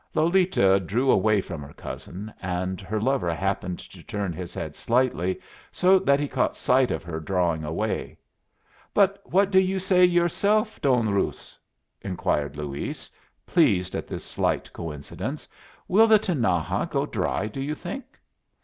Lolita drew away from her cousin, and her lover happened to turn his head slightly, so that he caught sight of her drawing away. "But what do you say yourself, Don Ruz?" inquired Luis, pleased at this slight coincidence "will the Tinaja go dry, do you think?"